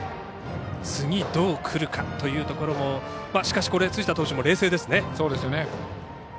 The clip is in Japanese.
次、どう来るかというところもしかし、辻田投手も冷静ですね。